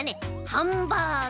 ハンバーグ！